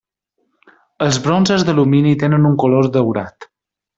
Els bronzes d'alumini tenen un color daurat.